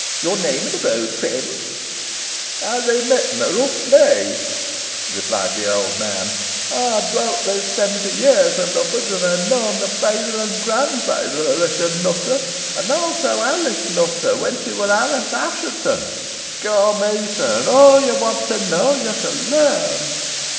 Your name and abode, friend?" "Harry Mitton o' Rough Lee," replied the old man. "Ey ha' dwelt there seventy year an uppards, an ha' known the feyther and granfeyther o' Ruchot Nutter, an also Alice Nutter, when hoo war Alice Assheton. Ca' me, sir, an aw' ye want to knoa ye shan larn."